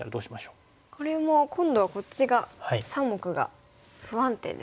これも今度はこっちが３目が不安定ですね。